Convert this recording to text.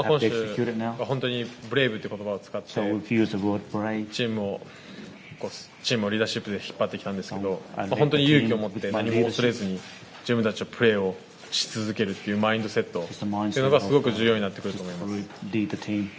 本当にブレイブっていう言葉を使ってチームをリーダーシップで引っ張ってきたんですけど本当に勇気を持って自分たちのプレーをするっていうマインドセットがすごく重要になってくると思います。